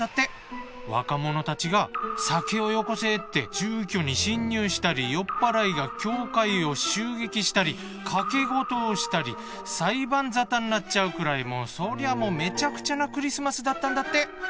若者たちが「酒をよこせ」って住居に侵入したり酔っ払いが教会を襲撃したり賭け事をしたり裁判沙汰になっちゃうくらいもうそりゃもうめちゃくちゃなクリスマスだったんだって。